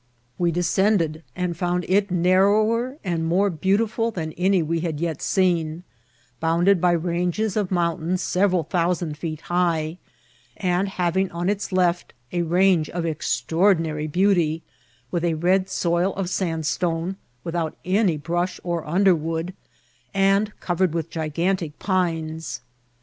We descended, and found it nar rower and more beautiful than any we had yet seen, bounded by ranges of mountains several thousand feet high, and having on its left a range of extraordinary beauty, with a red soil of sandstone, without any brush or underwood, and covered with gigantic pines.